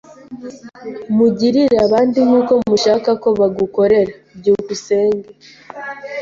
Mugirire abandi nkuko mushaka ko bagukorera. byukusenge